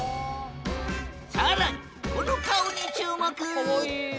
更にこの顔に注目！